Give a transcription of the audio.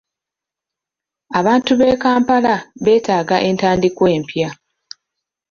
Abantu b'e Kampala beetaaga entandikwa empya.